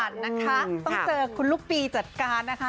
ต้องเจอคุณลูกปีจัดการนะคะ